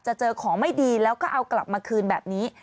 เจอของไม่ดีแล้วก็เอากลับมาคืนแบบนี้